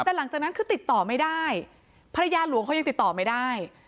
แต่หลังจากนั้นคือติดต่อไม่ได้ภรรยาหลวงเขายังติดต่อไม่ได้